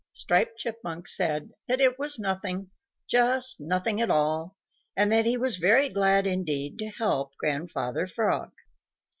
Striped Chipmunk said that it was nothing, just nothing at all, and that he was very glad indeed to help Grandfather Frog.